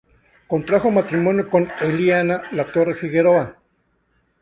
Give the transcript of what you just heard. Contrajo matrimonio con Eliana Latorre Figueroa.